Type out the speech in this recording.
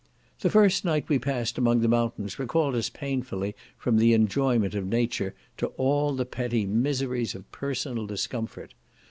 The first night we passed among the mountains recalled us painfully from the enjoyment of nature to all the petty miseries of personal discomfort.